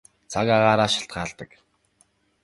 Цаг агаараас шалтгаалдаг.